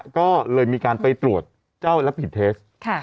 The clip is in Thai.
ก็เลยมีการไปตรวจเจ้ารับผิดเทส